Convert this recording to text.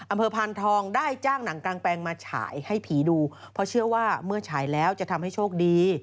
พานทองได้จ้างหนังกลางแปลงมาฉายให้ผีดูเพราะเชื่อว่าเมื่อฉายแล้วจะทำให้โชคดี